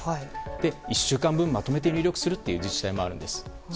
１週間まとめて入力する自治体もあるんです。